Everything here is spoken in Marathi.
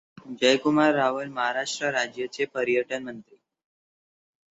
जयकुमार रावल महाराष्ट्र राज्याचे पर्यटन मंत्री